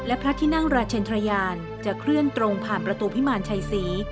และพระที่นั่งราชเชนทรยานจะเคลื่อนตรงผ่านประตูพิมารชัยศรี